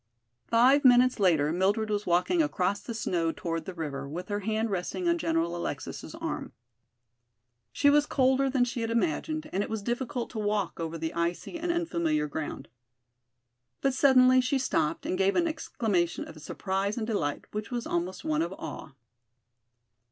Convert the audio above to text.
Five minutes later Mildred was walking across the snow toward the river, with her hand resting on General Alexis' arm. She was colder than she had imagined and it was difficult to walk over the icy and unfamiliar ground. But suddenly she stopped and gave an exclamation of surprise and delight which was almost one of awe.